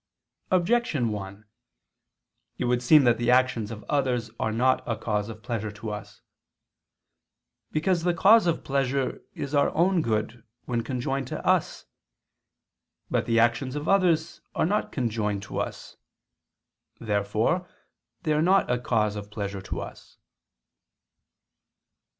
Objection 1: It would seem that the actions of others are not a cause of pleasure to us. Because the cause of pleasure is our own good when conjoined to us. But the actions of others are not conjoined to us. Therefore they are not a cause of pleasure to us.